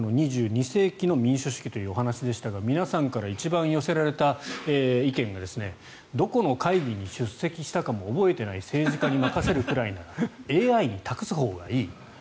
２２世紀の民主主義というお話でしたが皆さんから一番寄せられた意見がどこの会議に出席したかも覚えていない政治家に任せるくらいならＡＩに託すほうがいい。